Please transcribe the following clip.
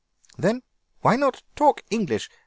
"Then why not talk English?